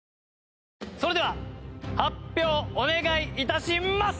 それでは発表お願い致します！